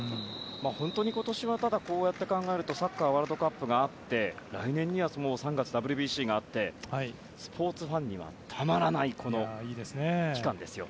本当に今年はこうやって考えるとサッカーワールドカップがあって来年は３月にＷＢＣがあってスポーツファンにはたまらない期間ですよ。